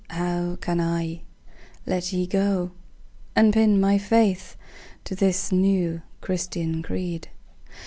how can I let ye go And pin my faith to this new Christian creed?